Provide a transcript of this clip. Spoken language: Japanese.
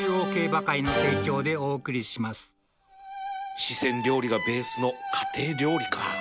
四川料理がベースの家庭料理か